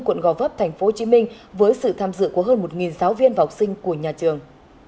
quận gò vấp tp hcm với sự tham dự của hơn một giáo viên và học sinh của nhà trường